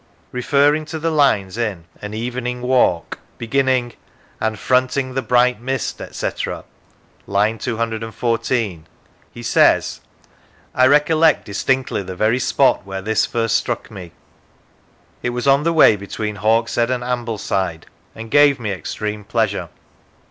Referring to the lines in " An evening walk " beginning "And fronting the bright mist, etc." (1. 214), he says: " I recollect distinctly the very spot where this first struck me. It was on the way between Hawkshead and Ambleside, and gave me extreme pleasure.